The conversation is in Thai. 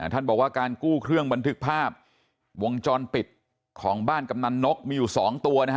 ท่านบอกว่าการกู้เครื่องบันทึกภาพวงจรปิดของบ้านกำนันนกมีอยู่๒ตัวนะฮะ